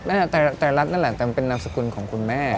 โตไม่รู้เนี่ยไตรรัสนั่นแหละแต่มันเป็นนามสกุลของคุณแม่